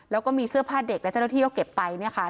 แล้วก็มีเสื้อผ้าเด็กและเจ้าหน้าที่ก็เก็บไปเนี่ยค่ะ